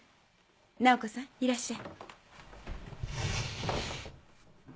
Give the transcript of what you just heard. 菜穂子さんいらっしゃい。